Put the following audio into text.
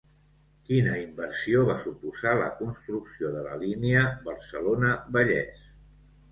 Quina inversió va suposar la construcció de la Línia Barcelona-Vallès?